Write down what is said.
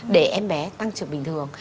để em bé tăng trưởng bình thường